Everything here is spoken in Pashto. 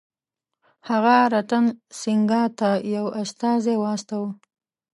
هغه رتن سینګه ته یو استازی واستاوه.